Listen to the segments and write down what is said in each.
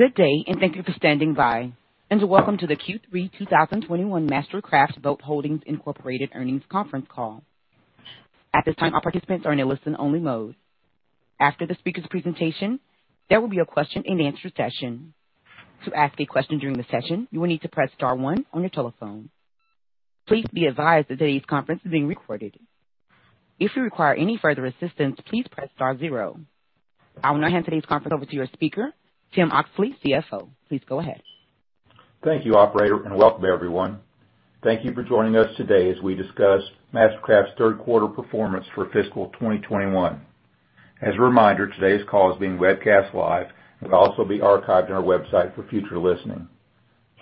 Good day, and thank you for standing by, and welcome to the Q3 2021 MasterCraft Boat Holdings, Inc. earnings conference call. At this time all the participants are on a listen only mode after the speakers presentation there will be a question and answer session, to ask a question during the session you will need to press star one on your telephone please be advised that today's conference is being recorded, if your require any operator assistance please star zero. I will now hand today's conference over to your speaker, Tim Oxley, CFO. Please go ahead. Thank you, operator. Welcome everyone. Thank you for joining us today as we discuss MasterCraft's third quarter performance for fiscal 2021. As a reminder, today's call is being webcast live and will also be archived on our website for future listening.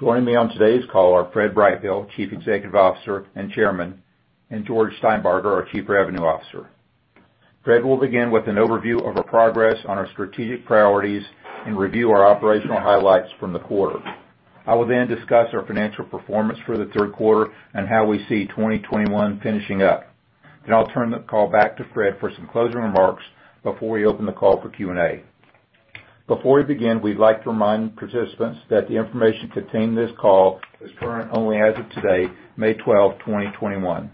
Joining me on today's call are Fred Brightbill, Chief Executive Officer and Chairman, and George Steinbarger, our Chief Revenue Officer. Fred will begin with an overview of our progress on our strategic priorities and review our operational highlights from the quarter. I will then discuss our financial performance for the third quarter and how we see 2021 finishing up. I'll turn the call back to Fred for some closing remarks before we open the call for Q&A. Before we begin, we'd like to remind participants that the information contained in this call is current only as of today, May 12, 2021.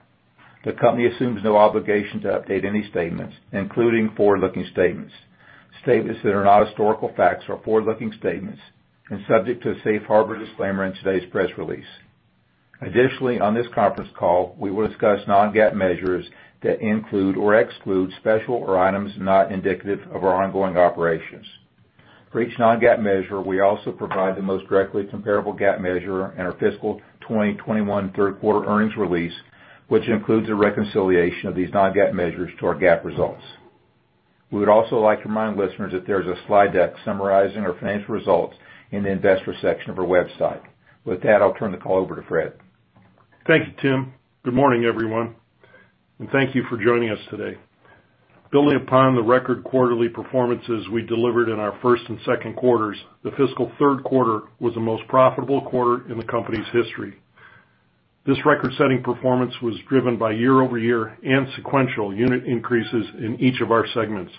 The company assumes no obligation to update any statements, including forward-looking statements. Statements that are not historical facts are forward-looking statements and subject to the safe harbor disclaimer in today's press release. Additionally, on this conference call, we will discuss non-GAAP measures that include or exclude special or items not indicative of our ongoing operations. For each non-GAAP measure, we also provide the most directly comparable GAAP measure in our fiscal 2021 third-quarter earnings release, which includes a reconciliation of these non-GAAP measures to our GAAP results. We would also like to remind listeners that there's a slide deck summarizing our financial results in the investor section of our website. With that, I'll turn the call over to Fred. Thank you, Tim. Good morning, everyone, and thank you for joining us today. Building upon the record quarterly performances we delivered in our first and second quarters, the fiscal third quarter was the most profitable quarter in the company's history. This record-setting performance was driven by year-over-year and sequential unit increases in each of our segments,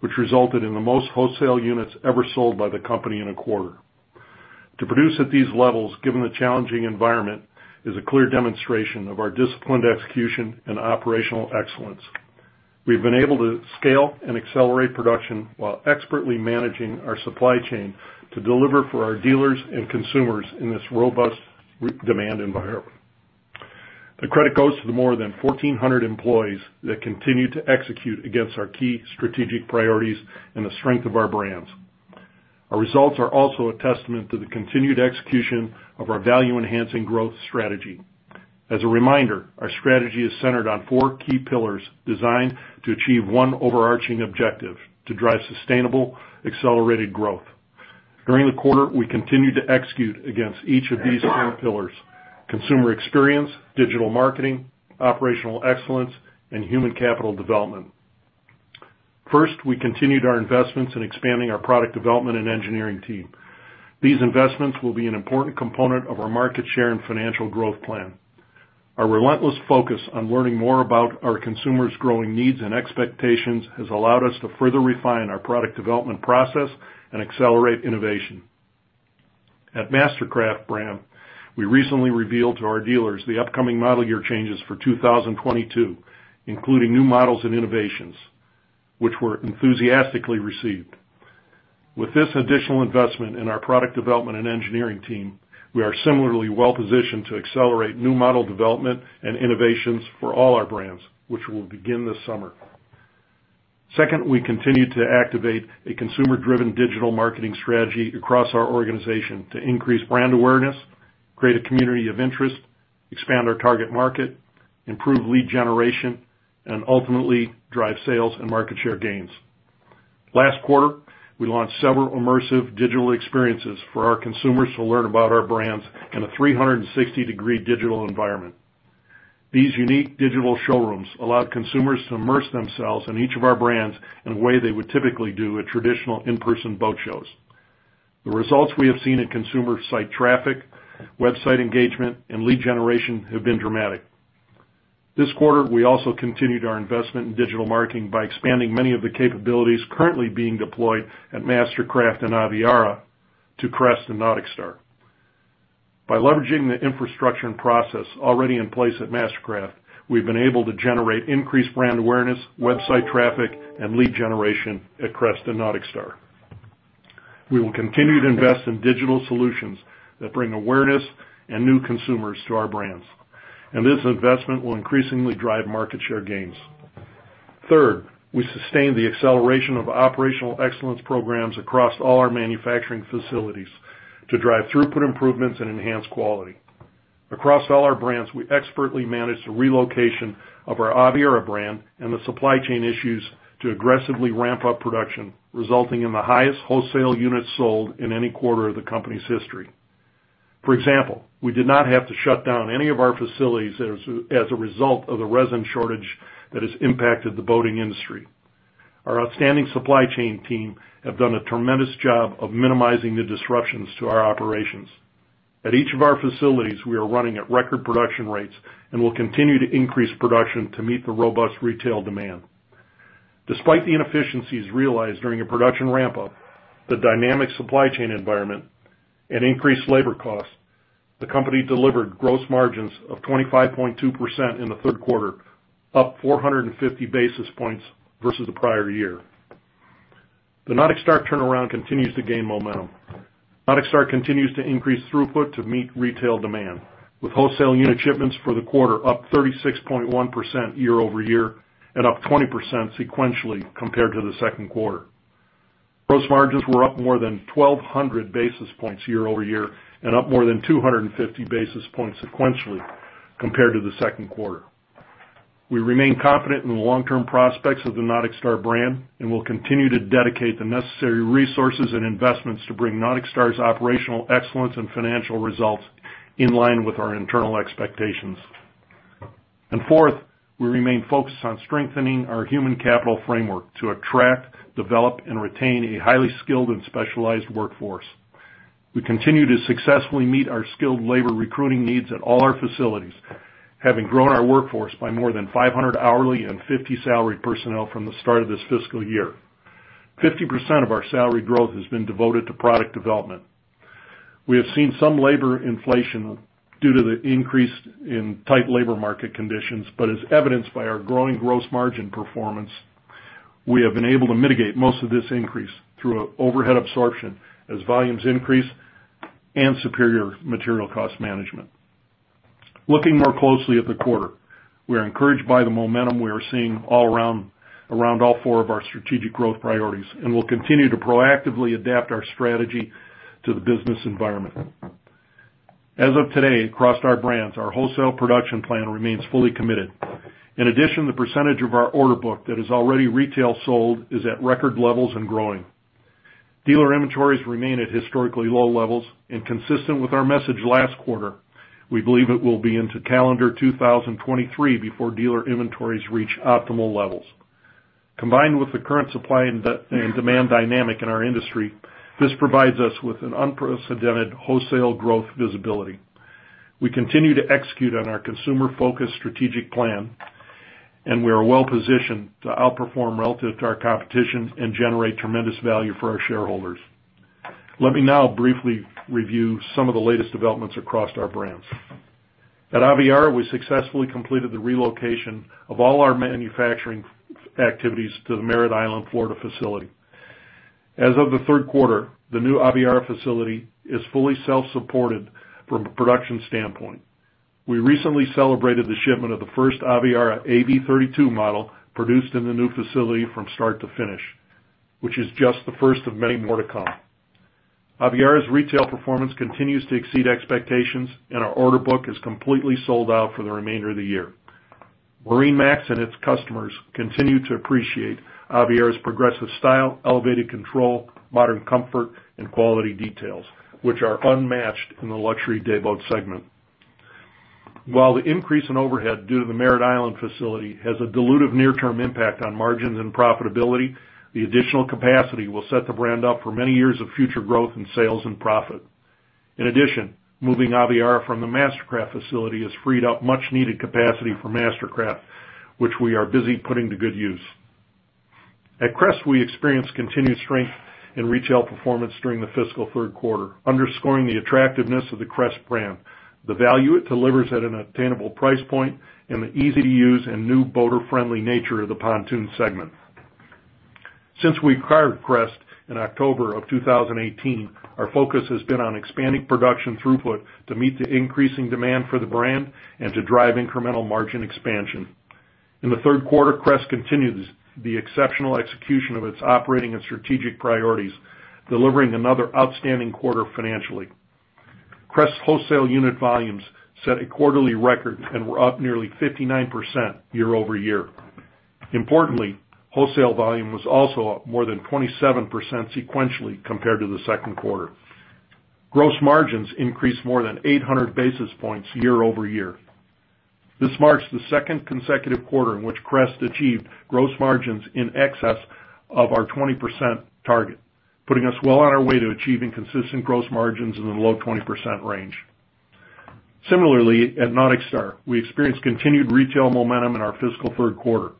which resulted in the most wholesale units ever sold by the company in a quarter. To produce at these levels, given the challenging environment, is a clear demonstration of our disciplined execution and operational excellence. We've been able to scale and accelerate production while expertly managing our supply chain to deliver for our dealers and consumers in this robust demand environment. The credit goes to the more than 1,400 employees that continue to execute against our key strategic priorities and the strength of our brands. Our results are also a testament to the continued execution of our value-enhancing growth strategy. As a reminder, our strategy is centered on four key pillars designed to achieve one overarching objective: to drive sustainable, accelerated growth. During the quarter, we continued to execute against each of these four pillars, consumer experience, digital marketing, operational excellence, and human capital development. First, we continued our investments in expanding our product development and engineering team. These investments will be an important component of our market share and financial growth plan. Our relentless focus on learning more about our consumers' growing needs and expectations has allowed us to further refine our product development process and accelerate innovation. At MasterCraft brand, we recently revealed to our dealers the upcoming model year changes for 2022, including new models and innovations, which were enthusiastically received. With this additional investment in our product development and engineering team, we are similarly well-positioned to accelerate new model development and innovations for all our brands, which will begin this summer. Second, we continued to activate a consumer-driven digital marketing strategy across our organization to increase brand awareness, create a community of interest, expand our target market, improve lead generation, and ultimately drive sales and market share gains. Last quarter, we launched several immersive digital experiences for our consumers to learn about our brands in a 360-degree digital environment. These unique digital showrooms allowed consumers to immerse themselves in each of our brands in a way they would typically do at traditional in-person boat shows. The results we have seen in consumer site traffic, website engagement, and lead generation have been dramatic. This quarter, we also continued our investment in digital marketing by expanding many of the capabilities currently being deployed at MasterCraft and Aviara to Crest and NauticStar. By leveraging the infrastructure and process already in place at MasterCraft, we've been able to generate increased brand awareness, website traffic, and lead generation at Crest and NauticStar. We will continue to invest in digital solutions that bring awareness and new consumers to our brands. This investment will increasingly drive market share gains. Third, we sustained the acceleration of operational excellence programs across all our manufacturing facilities to drive throughput improvements and enhance quality. Across all our brands, we expertly managed the relocation of our Aviara brand and the supply chain issues to aggressively ramp up production, resulting in the highest wholesale units sold in any quarter of the company's history. We did not have to shut down any of our facilities as a result of the resin shortage that has impacted the boating industry. Our outstanding supply chain team have done a tremendous job of minimizing the disruptions to our operations. At each of our facilities, we are running at record production rates and will continue to increase production to meet the robust retail demand. Despite the inefficiencies realized during a production ramp-up, the dynamic supply chain environment, and increased labor costs, the company delivered gross margins of 25.2% in the third quarter, up 450 basis points versus the prior year. The NauticStar turnaround continues to gain momentum. NauticStar continues to increase throughput to meet retail demand, with wholesale unit shipments for the quarter up 36.1% year-over-year and up 20% sequentially compared to the second quarter. Gross margins were up more than 1,200 basis points year-over-year and up more than 250 basis points sequentially compared to the second quarter. We remain confident in the long-term prospects of the NauticStar brand, and will continue to dedicate the necessary resources and investments to bring NauticStar's operational excellence and financial results in line with our internal expectations. Fourth, we remain focused on strengthening our human capital framework to attract, develop, and retain a highly skilled and specialized workforce. We continue to successfully meet our skilled labor recruiting needs at all our facilities, having grown our workforce by more than 500 hourly and 50 salaried personnel from the start of this fiscal year. 50% of our salary growth has been devoted to product development. We have seen some labor inflation due to the increase in tight labor market conditions, but as evidenced by our growing gross margin performance, we have been able to mitigate most of this increase through overhead absorption as volumes increase and superior material cost management. Looking more closely at the quarter, we are encouraged by the momentum we are seeing around all four of our strategic growth priorities and will continue to proactively adapt our strategy to the business environment. As of today, across our brands, our wholesale production plan remains fully committed. In addition, the percentage of our order book that is already retail sold is at record levels and growing. Dealer inventories remain at historically low levels. Consistent with our message last quarter, we believe it will be into calendar 2023 before dealer inventories reach optimal levels. Combined with the current supply and demand dynamic in our industry, this provides us with an unprecedented wholesale growth visibility. We continue to execute on our consumer-focused strategic plan. We are well positioned to outperform relative to our competition and generate tremendous value for our shareholders. Let me now briefly review some of the latest developments across our brands. At Aviara, we successfully completed the relocation of all our manufacturing activities to the Merritt Island, Florida facility. As of the third quarter, the new Aviara facility is fully self-supported from a production standpoint. We recently celebrated the shipment of the first Aviara AV32 model produced in the new facility from start to finish, which is just the first of many more to come. Aviara's retail performance continues to exceed expectations, and our order book is completely sold out for the remainder of the year. MarineMax and its customers continue to appreciate Aviara's progressive style, elevated control, modern comfort, and quality details, which are unmatched in the luxury day boat segment. While the increase in overhead due to the Merritt Island facility has a dilutive near-term impact on margins and profitability, the additional capacity will set the brand up for many years of future growth in sales and profit. In addition, moving Aviara from the MasterCraft facility has freed up much needed capacity for MasterCraft, which we are busy putting to good use. At Crest, we experienced continued strength in retail performance during the fiscal third quarter, underscoring the attractiveness of the Crest brand, the value it delivers at an attainable price point, and the easy-to-use and new boater-friendly nature of the pontoon segment. Since we acquired Crest in October of 2018, our focus has been on expanding production throughput to meet the increasing demand for the brand and to drive incremental margin expansion. In the third quarter, Crest continued the exceptional execution of its operating and strategic priorities, delivering another outstanding quarter financially. Crest wholesale unit volumes set a quarterly record and were up nearly 59% year-over-year. Importantly, wholesale volume was also up more than 27% sequentially compared to the second quarter. Gross margins increased more than 800 basis points year-over-year. This marks the second consecutive quarter in which Crest achieved gross margins in excess of our 20% target, putting us well on our way to achieving consistent gross margins in the low 20% range. Similarly, at NauticStar, we experienced continued retail momentum in our fiscal third quarter.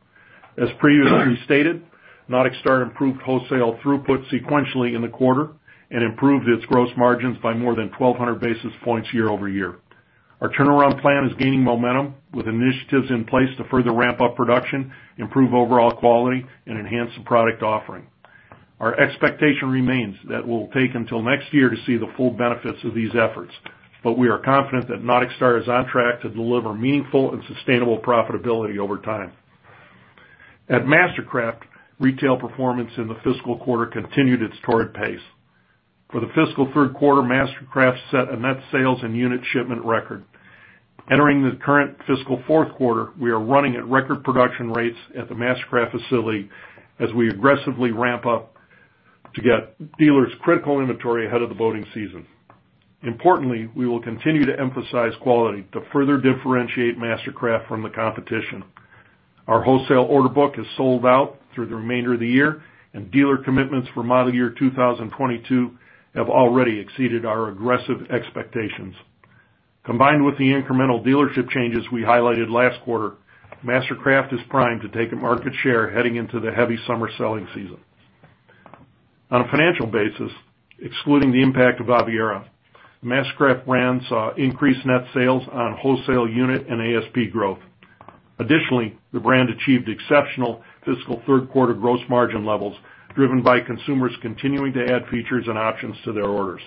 As previously stated, NauticStar improved wholesale throughput sequentially in the quarter and improved its gross margins by more than 1,200 basis points year-over-year. Our turnaround plan is gaining momentum, with initiatives in place to further ramp up production, improve overall quality, and enhance the product offering. Our expectation remains that it will take until next year to see the full benefits of these efforts, but we are confident that NauticStar is on track to deliver meaningful and sustainable profitability over time. At MasterCraft, retail performance in the fiscal quarter continued its torrid pace. For the fiscal third quarter, MasterCraft set a net sales and unit shipment record. Entering the current fiscal fourth quarter, we are running at record production rates at the MasterCraft facility as we aggressively ramp up to get dealers critical inventory ahead of the boating season. Importantly, we will continue to emphasize quality to further differentiate MasterCraft from the competition. Our wholesale order book is sold out through the remainder of the year, and dealer commitments for model year 2022 have already exceeded our aggressive expectations. Combined with the incremental dealership changes we highlighted last quarter, MasterCraft is primed to take a market share heading into the heavy summer selling season. On a financial basis, excluding the impact of Aviara, MasterCraft brand saw increased net sales on wholesale unit and ASP growth. Additionally, the brand achieved exceptional Q3 2021 gross margin levels, driven by consumers continuing to add features and options to their orders.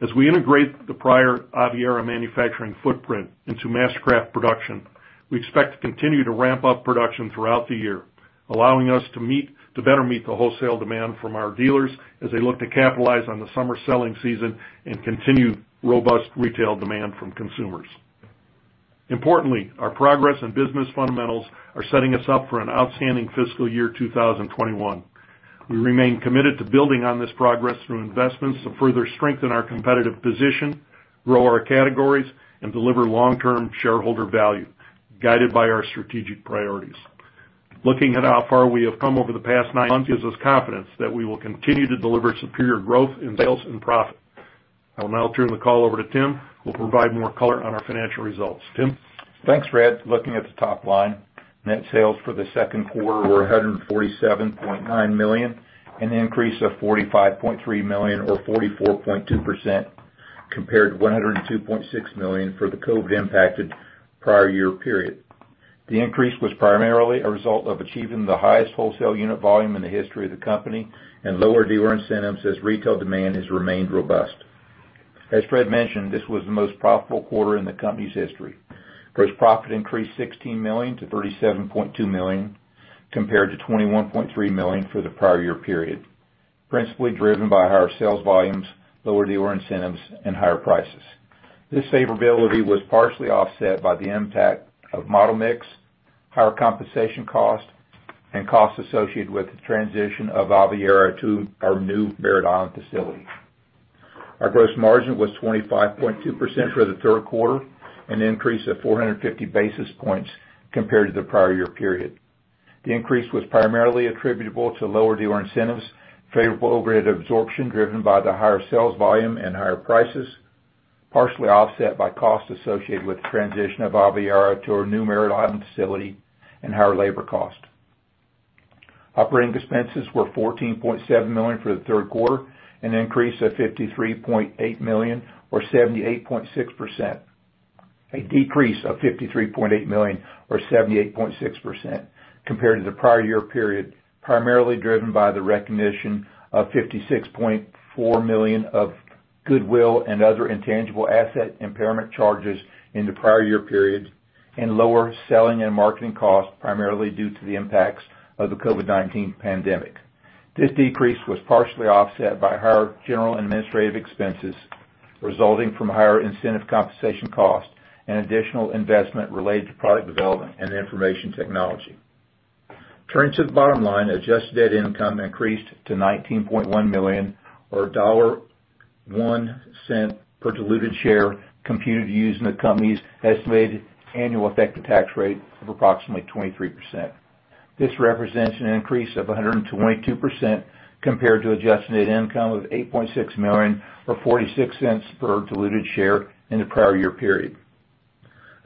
As we integrate the prior Aviara manufacturing footprint into MasterCraft production, we expect to continue to ramp up production throughout the year, allowing us to better meet the wholesale demand from our dealers as they look to capitalize on the summer selling season and continue robust retail demand from consumers. Importantly, our progress and business fundamentals are setting us up for an outstanding FY 2021. We remain committed to building on this progress through investments to further strengthen our competitive position, grow our categories, and deliver long-term shareholder value guided by our strategic priorities. Looking at how far we have come over the past nine months gives us confidence that we will continue to deliver superior growth in sales and profit. I will now turn the call over to Tim, who will provide more color on our financial results. Tim? Thanks, Fred. Looking at the top line, net sales for the second quarter were $147.9 million, an increase of $45.3 million or 44.2% compared to $102.6 million for the COVID-19-impacted prior year period. The increase was primarily a result of achieving the highest wholesale unit volume in the history of the company and lower dealer incentives as retail demand has remained robust. As Fred mentioned, this was the most profitable quarter in the company's history. Gross profit increased $16 million to $37.2 million compared to $21.3 million for the prior year period, principally driven by higher sales volumes, lower dealer incentives, and higher prices. This favorability was partially offset by the impact of model mix, higher compensation cost, and costs associated with the transition of Aviara to our new Merritt Island facility. Our gross margin was 25.2% for the third quarter, an increase of 450 basis points compared to the prior year period. The increase was primarily attributable to lower dealer incentives, favorable overhead absorption driven by the higher sales volume and higher prices, partially offset by costs associated with the transition of Aviara to our new Merritt Island facility and higher labor cost. Operating expenses were $14.7 million for the third quarter, a decrease of $53.8 million or 78.6% compared to the prior year period, primarily driven by the recognition of $56.4 million of goodwill and other intangible asset impairment charges in the prior year period and lower selling and marketing costs, primarily due to the impacts of the COVID-19 pandemic. This decrease was partially offset by higher general administrative expenses resulting from higher incentive compensation costs and additional investment related to product development and information technology. Turning to the bottom line, adjusted income increased to $19.1 million, or $1.01 per diluted share, computed using the company's estimated annual effective tax rate of approximately 23%. This represents an increase of 122% compared to adjusted net income of $8.6 million or $0.46 per diluted share in the prior year period.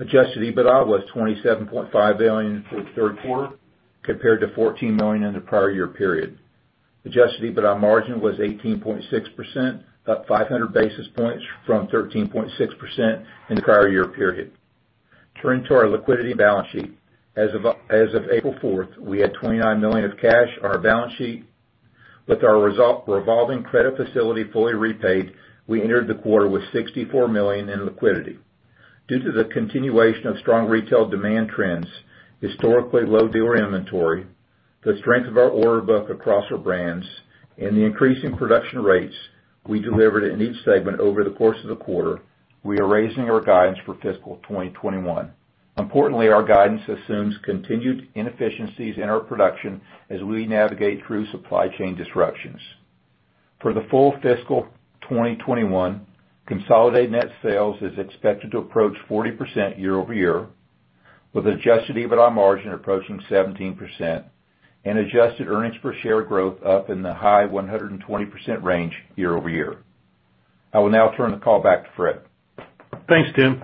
Adjusted EBITDA was $27.5 million for the third quarter compared to $14 million in the prior year period. Adjusted EBITDA margin was 18.6%, up 500 basis points from 13.6% in the prior year period. Turning to our liquidity balance sheet. As of April 4th, we had $29 million of cash on our balance sheet. With our revolving credit facility fully repaid, we entered the quarter with $64 million in liquidity. Due to the continuation of strong retail demand trends, historically low dealer inventory, the strength of our order book across our brands, and the increasing production rates we delivered in each segment over the course of the quarter, we are raising our guidance for fiscal 2021. Importantly, our guidance assumes continued inefficiencies in our production as we navigate through supply chain disruptions. For the full fiscal 2021, consolidated net sales is expected to approach 40% year-over-year, with adjusted EBITDA margin approaching 17% and adjusted earnings per share growth up in the high 120% range year-over-year. I will now turn the call back to Fred. Thanks, Tim.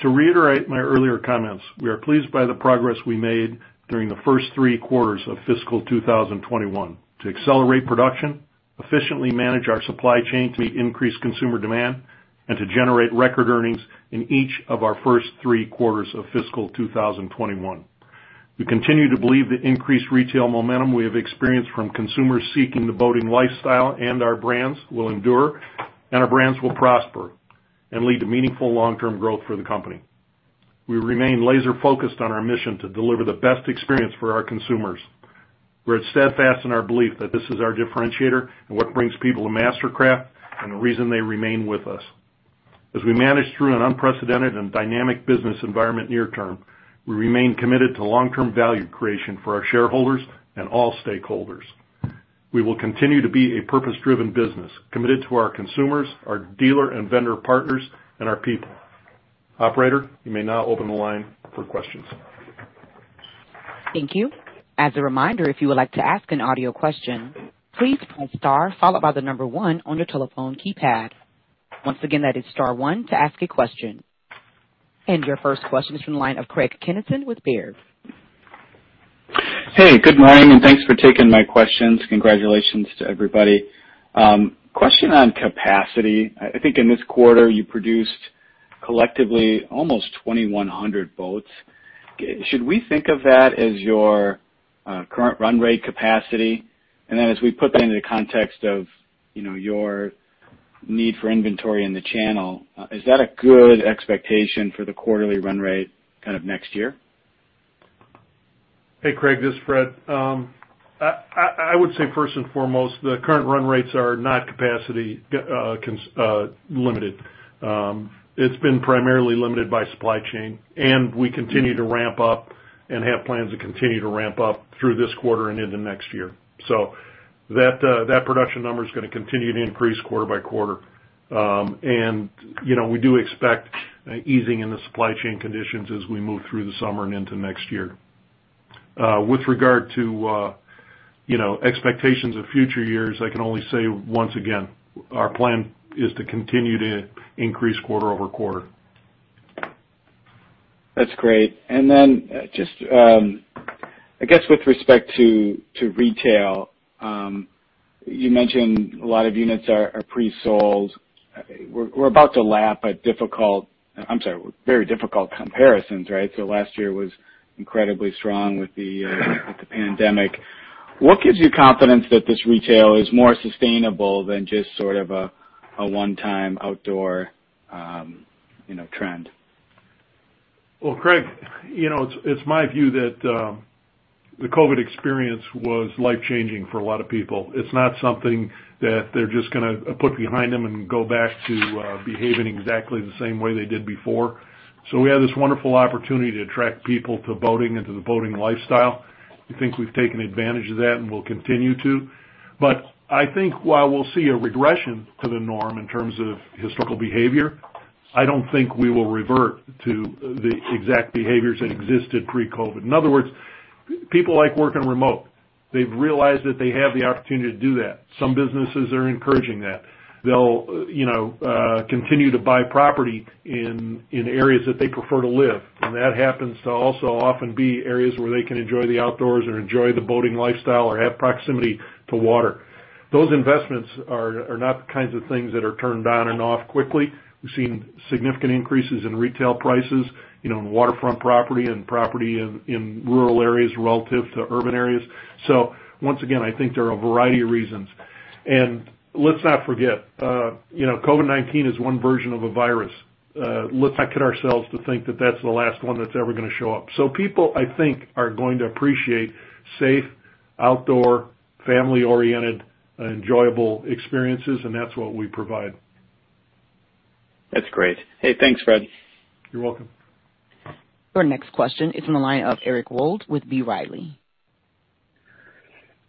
To reiterate my earlier comments, we are pleased by the progress we made during the first three quarters of fiscal 2021 to accelerate production, efficiently manage our supply chain to meet increased consumer demand, and to generate record earnings in each of our first three quarters of fiscal 2021. We continue to believe the increased retail momentum we have experienced from consumers seeking the boating lifestyle and our brands will endure, and our brands will prosper and lead to meaningful long-term growth for the company. We remain laser focused on our mission to deliver the best experience for our consumers. We're steadfast in our belief that this is our differentiator and what brings people to MasterCraft, and the reason they remain with us. As we manage through an unprecedented and dynamic business environment near term, we remain committed to long-term value creation for our shareholders and all stakeholders. We will continue to be a purpose-driven business, committed to our consumers, our dealer and vendor partners, and our people. Operator, you may now open the line for questions. Thank you, as a reminder if you like to ask an audio question please press star followed by the number one on your telephone keypad, once again press star one to ask a question. Your first question is from the line of Craig Kennison with Baird. Hey, good morning, and thanks for taking my questions. Congratulations to everybody. Question on capacity. I think in this quarter you produced collectively almost 2,100 boats. Should we think of that as your current run rate capacity? Then as we put that into the context of your need for inventory in the channel, is that a good expectation for the quarterly run rate kind of next year? Hey, Craig, this is Fred. I would say first and foremost, the current run rates are not capacity limited. It's been primarily limited by supply chain, and we continue to ramp up and have plans to continue to ramp up through this quarter and into next year. That production number is going to continue to increase quarter by quarter. We do expect easing in the supply chain conditions as we move through the summer and into next year. With regard to expectations of future years, I can only say, once again, our plan is to continue to increase quarter over quarter. That's great. Just, I guess with respect to retail, you mentioned a lot of units are pre-sold. We're about to lap a very difficult comparisons, right? Last year was incredibly strong with the pandemic. What gives you confidence that this retail is more sustainable than just sort of a one-time outdoor trend? Craig, it's my view that the COVID experience was life-changing for a lot of people. It's not something that they're just going to put behind them and go back to behaving exactly the same way they did before. We have this wonderful opportunity to attract people to boating and to the boating lifestyle. I think we've taken advantage of that and will continue to. I think while we'll see a regression to the norm in terms of historical behavior, I don't think we will revert to the exact behaviors that existed pre-COVID. In other words, people like working remote. They've realized that they have the opportunity to do that. Some businesses are encouraging that. They'll continue to buy property in areas that they prefer to live. That happens to also often be areas where they can enjoy the outdoors or enjoy the boating lifestyle or have proximity to water. Those investments are not the kinds of things that are turned on and off quickly. We've seen significant increases in retail prices, in waterfront property and property in rural areas relative to urban areas. Once again, I think there are a variety of reasons. Let's not forget, COVID-19 is one version of a virus. Let's not kid ourselves to think that that's the last one that's ever going to show up. People, I think, are going to appreciate safe, outdoor, family-oriented, enjoyable experiences, and that's what we provide. That's great. Hey, thanks, Fred. You're welcome. Your next question is from the line of Eric Wold with B. Riley.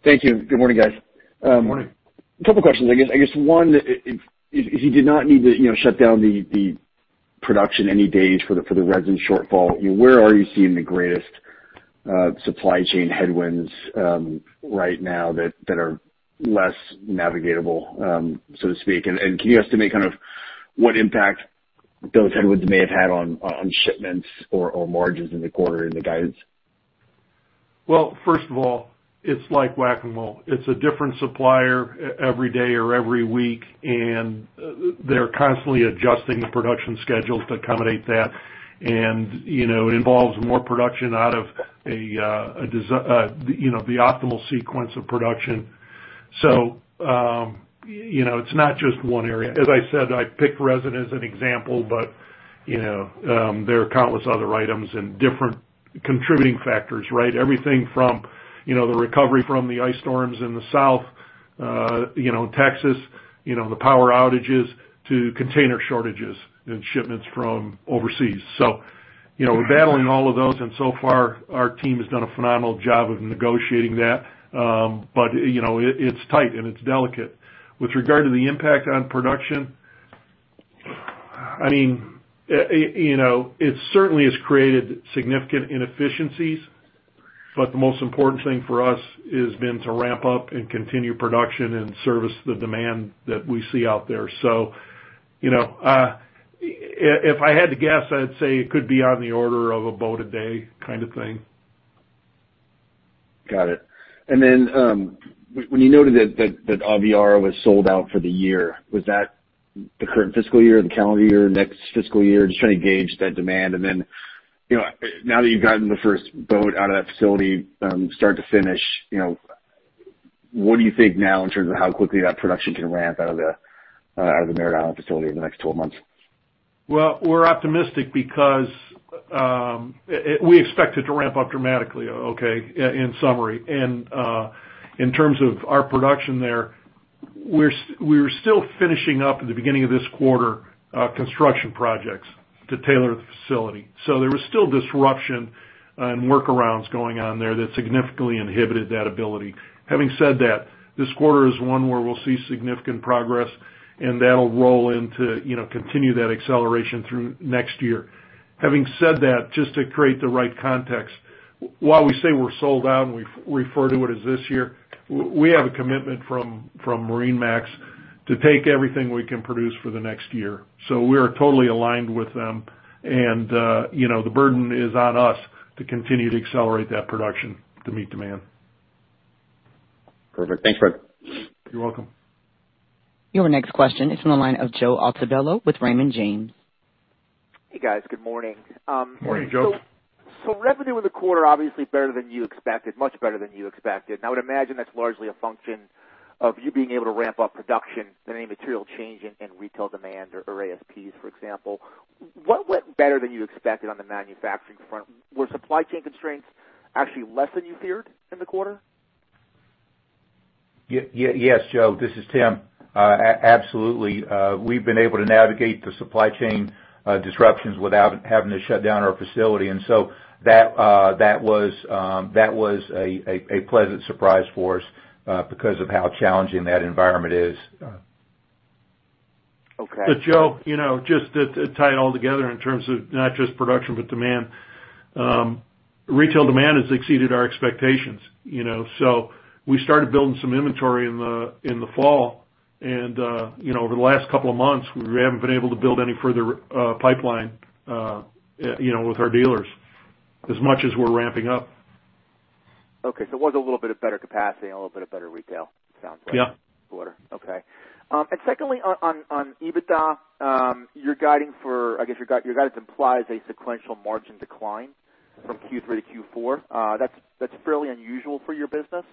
Thank you. Good morning, guys. Good morning. A couple questions. I guess one, if you did not need to shut down the production any days for the resin shortfall, where are you seeing the greatest supply chain headwinds right now that are less navigatable, so to speak? Can you estimate kind of what impact those headwinds may have had on shipments or margins in the quarter in the guidance? Well, first of all, it's like Whac-A-Mole. It's a different supplier every day or every week, and they're constantly adjusting the production schedules to accommodate that. It involves more production out of the optimal sequence of production. It's not just one area. As I said, I picked resin as an example, but there are countless other items and different contributing factors, right? Everything from the recovery from the ice storms in the South, Texas, the power outages, to container shortages and shipments from overseas. We're battling all of those, and so far our team has done a phenomenal job of negotiating that. It's tight and it's delicate. With regard to the impact on production, it certainly has created significant inefficiencies, but the most important thing for us has been to ramp up and continue production and service the demand that we see out there. If I had to guess, I'd say it could be on the order of a boat a day kind of thing. Got it. When you noted that Aviara was sold out for the year, was that the current fiscal year or the calendar year, next fiscal year? Just trying to gauge that demand. Now that you've gotten the first boat out of that facility start to finish, what do you think now in terms of how quickly that production can ramp out of the Merritt Island facility in the next 12 months? Well, we're optimistic because we expect it to ramp up dramatically. Okay? In summary. In terms of our production there, we were still finishing up at the beginning of this quarter, construction projects to tailor the facility. There was still disruption and workarounds going on there that significantly inhibited that ability. Having said that, this quarter is one where we'll see significant progress, and that'll roll into continue that acceleration through next year. Having said that, just to create the right context, while we say we're sold out and we refer to it as this year, we have a commitment from MarineMax to take everything we can produce for the next year. We are totally aligned with them, and the burden is on us to continue to accelerate that production to meet demand. Perfect. Thanks, Fred. You're welcome. Your next question is from the line of Joseph Altobello with Raymond James. Hey, guys. Good morning. Morning, Joe. Revenue in the quarter, obviously better than you expected, much better than you expected. I would imagine that's largely a function of you being able to ramp up production than any material change in retail demand or ASPs, for example. What went better than you expected on the manufacturing front? Were supply chain constraints actually less than you feared in the quarter? Yes, Joe. This is Tim. Absolutely. We've been able to navigate the supply chain disruptions without having to shut down our facility. That was a pleasant surprise for us because of how challenging that environment is. Okay. Joe, just to tie it all together in terms of not just production, but demand. Retail demand has exceeded our expectations. We started building some inventory in the fall, and over the last couple of months, we haven't been able to build any further pipeline with our dealers as much as we're ramping up. Okay. It was a little bit of better capacity and a little bit of better retail, it sounds like. Yeah this quarter. Okay. Secondly, on EBITDA, I guess your guidance implies a sequential margin decline from Q3-Q4. That's fairly unusual for your business.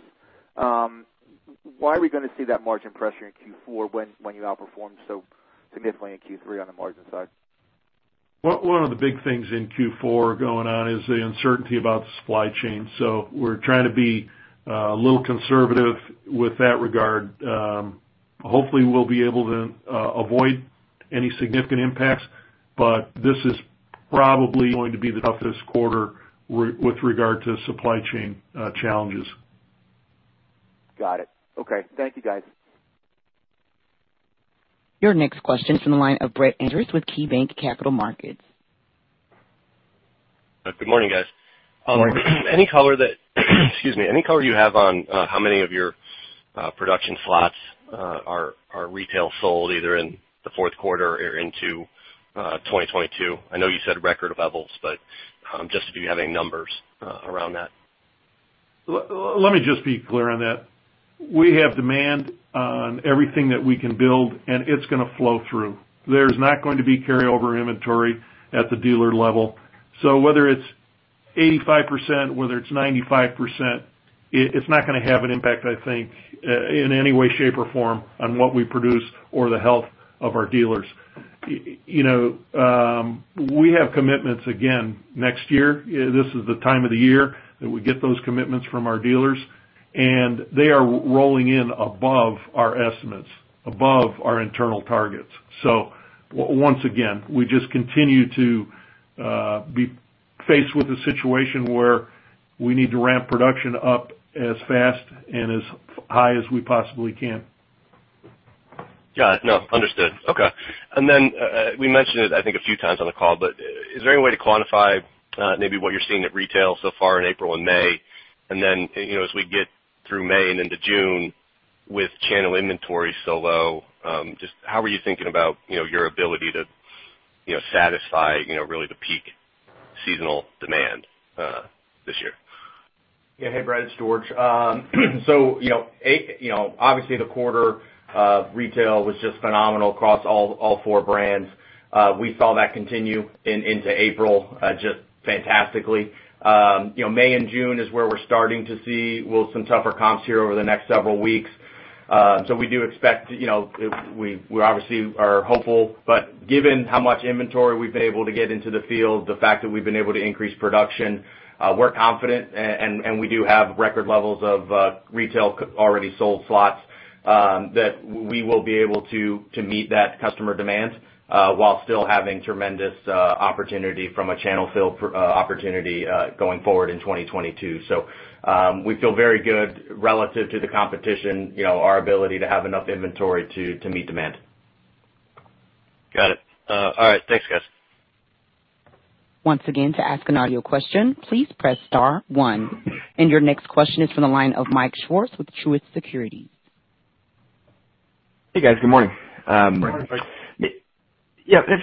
Why are we going to see that margin pressure in Q4 when you outperformed so significantly in Q3 on the margin side? One of the big things in Q4 going on is the uncertainty about the supply chain. We're trying to be a little conservative with that regard. Hopefully, we'll be able to avoid any significant impacts, but this is probably going to be the toughest quarter with regard to supply chain challenges. Got it. Okay. Thank you, guys. Your next question is from the line of Brett Andress with KeyBanc Capital Markets. Good morning, guys. Morning. Any color you have on how many of your production slots are retail sold either in the fourth quarter or into 2022? Just if you have any numbers around that. Let me just be clear on that. We have demand on everything that we can build, and it's going to flow through. There's not going to be carryover inventory at the dealer level. Whether it's 85%, whether it's 95%, it's not going to have an impact, I think, in any way, shape, or form on what we produce or the health of our dealers. We have commitments again next year. This is the time of the year that we get those commitments from our dealers, and they are rolling in above our estimates, above our internal targets. Once again, we just continue to be faced with a situation where we need to ramp production up as fast and as high as we possibly can. Got it. No, understood. Okay. Then we mentioned it, I think, a few times on the call, but is there any way to quantify maybe what you're seeing at retail so far in April and May? Then, as we get through May and into June with channel inventory so low, just how are you thinking about your ability to satisfy really the peak seasonal demand this year? Yeah. Hey, Brett. It's George. Obviously the quarter retail was just phenomenal across all four brands. We saw that continue into April, just fantastically. May and June is where we're starting to see some tougher comps here over the next several weeks. We obviously are hopeful, but given how much inventory we've been able to get into the field, the fact that we've been able to increase production, we're confident, and we do have record levels of retail already sold slots, that we will be able to meet that customer demand, while still having tremendous opportunity from a channel fill opportunity going forward in 2022. We feel very good relative to the competition, our ability to have enough inventory to meet demand. Got it. All right. Thanks, guys. Once again to ask a question please press star one. Your next question is from the line of Michael Swartz with Truist Securities. Hey, guys. Good morning. Good morning, Mike.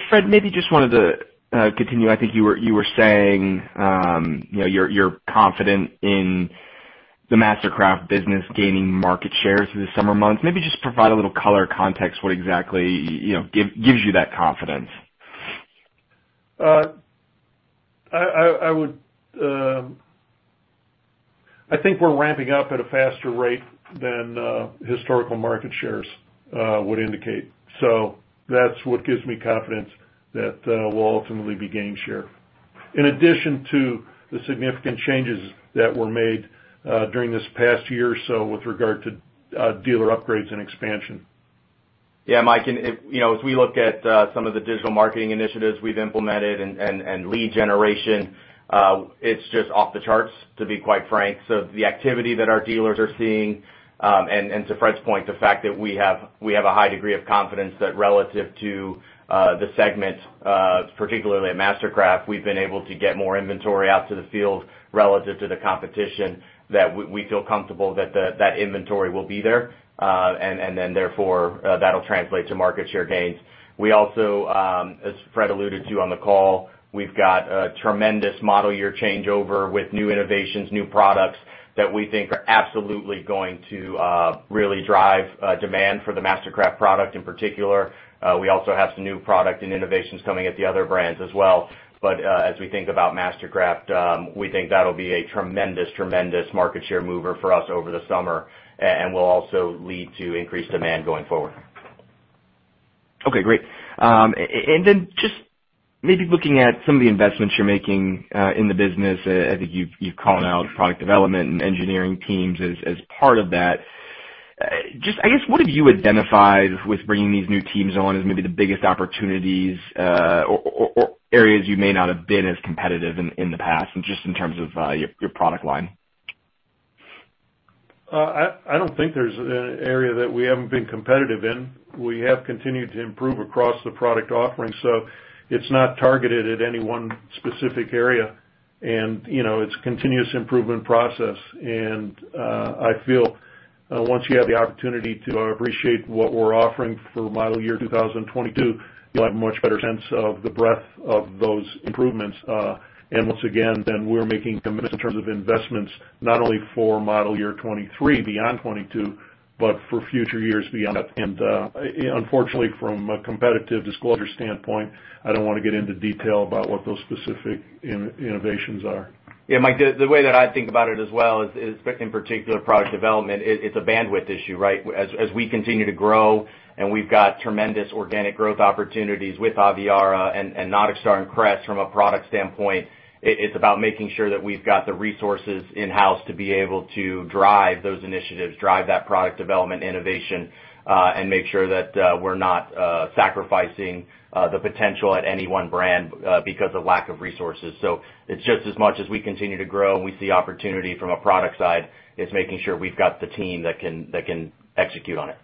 Fred, maybe just wanted to continue. I think you were saying you're confident in the MasterCraft business gaining market shares through the summer months. Maybe just provide a little color context what exactly gives you that confidence? I think we're ramping up at a faster rate than historical market shares would indicate. That's what gives me confidence that we'll ultimately be gain share. In addition to the significant changes that were made during this past year or so with regard to dealer upgrades and expansion. Mike, as we look at some of the digital marketing initiatives we've implemented and lead generation, it's just off the charts, to be quite frank. The activity that our dealers are seeing, and to Fred's point, the fact that we have a high degree of confidence that relative to the segments, particularly at MasterCraft, we've been able to get more inventory out to the field relative to the competition, that we feel comfortable that that inventory will be there. Therefore, that'll translate to market share gains. We also, as Fred alluded to on the call, we've got a tremendous model year changeover with new innovations, new products that we think are absolutely going to really drive demand for the MasterCraft product in particular. We also have some new product and innovations coming at the other brands as well. As we think about MasterCraft, we think that'll be a tremendous market share mover for us over the summer and will also lead to increased demand going forward. Okay, great. Just maybe looking at some of the investments you're making in the business. I think you've called out product development and engineering teams as part of that. Just, I guess, what have you identified with bringing these new teams on as maybe the biggest opportunities or areas you may not have been as competitive in the past, and just in terms of your product line? I don't think there's an area that we haven't been competitive in. We have continued to improve across the product offering, so it's not targeted at any one specific area. It's a continuous improvement process, and I feel once you have the opportunity to appreciate what we're offering for model year 2022, you'll have a much better sense of the breadth of those improvements. Once again, then we're making commitments in terms of investments, not only for model year 2023, beyond 2022, but for future years beyond that. Unfortunately, from a competitive disclosure standpoint, I don't want to get into detail about what those specific innovations are. Mike, the way that I think about it as well is, in particular product development, it's a bandwidth issue, right. We continue to grow and we've got tremendous organic growth opportunities with Aviara and NauticStar and Crest from a product standpoint, it's about making sure that we've got the resources in-house to be able to drive those initiatives, drive that product development innovation, and make sure that we're not sacrificing the potential at any one brand because of lack of resources. It's just as much as we continue to grow and we see opportunity from a product side, it's making sure we've got the team that can execute on it.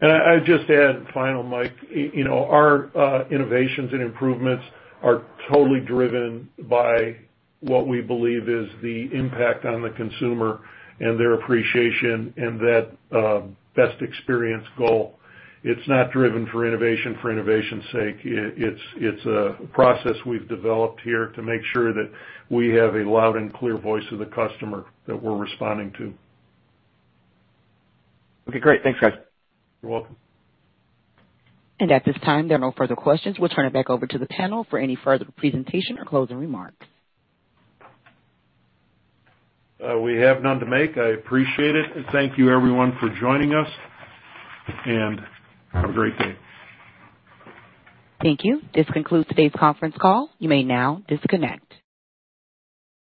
I'd just add final, Mike, our innovations and improvements are totally driven by what we believe is the impact on the consumer and their appreciation and that best experience goal. It's not driven for innovation for innovation's sake. It's a process we've developed here to make sure that we have a loud and clear voice of the customer that we're responding to. Okay, great. Thanks, guys. You're welcome. At this time, there are no further questions. We'll turn it back over to the panel for any further presentation or closing remarks. We have none to make. I appreciate it, and thank you everyone for joining us, and have a great day. Thank you. This concludes today's conference call. You may now disconnect.